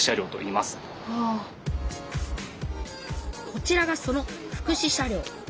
こちらがその福祉車両。